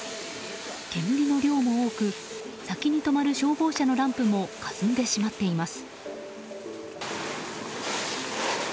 煙の量も多く先に止まる消防車のランプもかすんでしまっています。